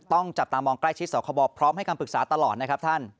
ต้องจับตามองใกล้ชิดสคบพร้อมให้คำปรึกษาตลอดนะครับท่าน